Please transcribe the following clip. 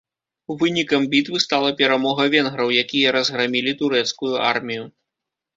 Вынікам бітвы стала перамога венграў, якія разграмілі турэцкую армію.